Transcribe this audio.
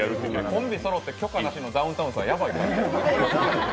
コンビそろって許可なしのダウンタウンさんはヤバいって。